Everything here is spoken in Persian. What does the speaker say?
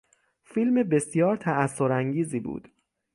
فیلم بسیار تاثرانگیزی بود.